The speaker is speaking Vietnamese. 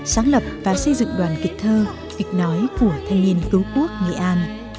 sáng lập và xây dựng đoàn kịch thơ kịch nói của thanh niên cứu quốc nghệ an